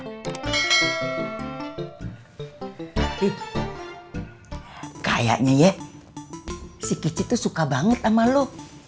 nih kayaknya ya si kici suka banget sama lo